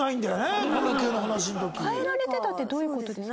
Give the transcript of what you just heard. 変えられてたってどういう事ですか？